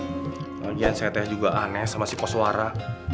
kalian setes juga aneh sama si koswara